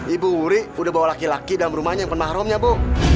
ibu wuri udah bawa laki laki dalam rumahnya yang penaruhnya bu